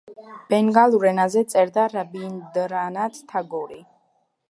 ბენგალურ ენაზე წერდა რაბინდრანათ თაგორი.